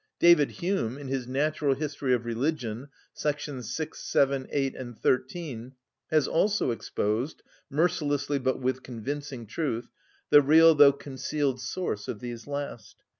David Hume, in his "Natural History of Religion," §§ 6, 7, 8, and 13, has also exposed, mercilessly but with convincing truth, the real though concealed source of these last.